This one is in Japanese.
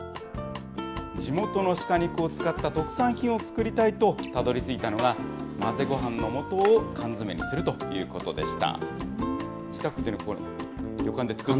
地元の鹿肉を使った特産品を作りたいと、たどりついたのが混ぜご飯のもとを缶詰にするということでした。